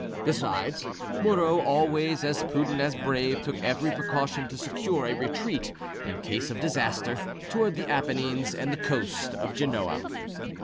Besides, Moreau, always as prudent as brave, took every precaution to secure a retreat, in case of disaster, towards the Apennines and the coast of Genoa.